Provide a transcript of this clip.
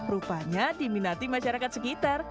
rupanya diminati masyarakat sekitar